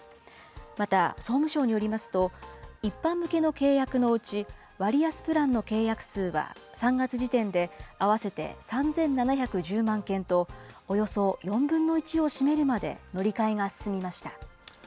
また、総務省によりますと、一般向けの契約のうち、割安プランの契約数は３月時点で合わせて３７１０万件と、およそ４分の１を占めるまで乗り換えが進みました。